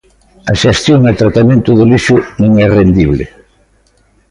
A xestión e tratamento do lixo non é rendible.